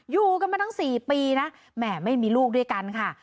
อยู่กันมาทั้ง๔ปีนะแหมไม่มีลูกด้วยกันค่ะ